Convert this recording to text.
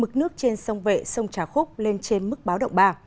mực nước trên sông vệ sông trà khúc lên trên mức báo động ba